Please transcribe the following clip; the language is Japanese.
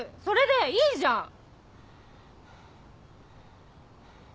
それでいいじゃん！